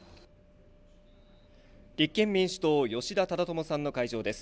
立憲民主党、吉田忠智さんの会場です。